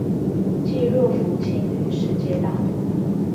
濟弱扶傾與世界大同